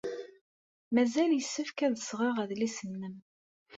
Mazal yessefk ad d-sɣeɣ adlis-nnem.